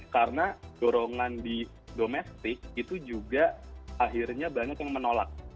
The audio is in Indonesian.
karena dorongan di domestik itu juga akhirnya banyak yang menolak